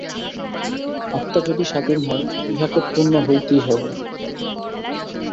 আত্মা যদি স্বাধীন হয়, ইহাকে পূর্ণ হইতেই হইবে।